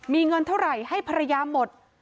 มีเงินเท่าไหร่ให้ภรรยาหมด